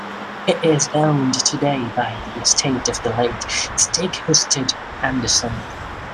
It is owned today by the estate of the late Stig Husted Andersen.